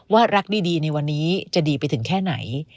รักดีในวันนี้จะดีไปถึงแค่ไหน